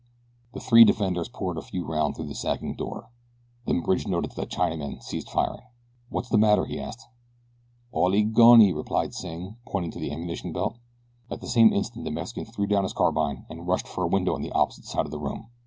The three defenders poured a few rounds through the sagging door, then Bridge noted that the Chinaman ceased firing. "What's the matter?" he asked. "Allee gonee," replied Sing, pointing to his ammunition belt. At the same instant the Mexican threw down his carbine and rushed for a window on the opposite side of the room.